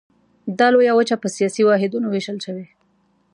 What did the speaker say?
دا لویه وچه په سیاسي واحدونو ویشل شوې.